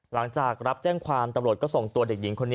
หลังจากรับแจ้งความตำรวจซั้นขั้น